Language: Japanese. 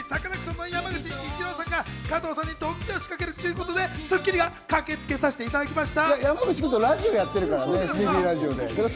先月２３日、サカナクションの山口一郎さんが加藤さんにドッキリを仕掛けると聞いて『スッキリ』が駆けつけさせていただきました。